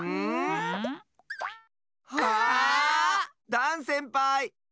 ダンせんぱい！